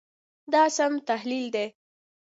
دا سم تحلیل دی.